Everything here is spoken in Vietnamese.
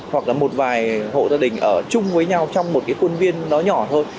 hoặc là một vài hộ gia đình ở chung với nhau trong một quân viên nhỏ thôi